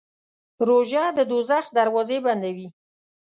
روژه د دوزخ دروازې بندوي.